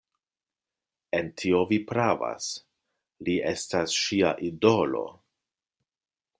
En tio vi pravas; li estas ŝia idolo...